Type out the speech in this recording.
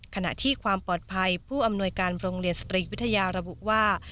ขณะที่ความปลอดภัยผู้อำนวยการโรงเรียนสตรีวิทยาระบุว่า